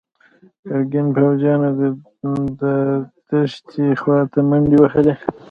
د ګرګين پوځيانو د دښتې خواته منډې وهلي.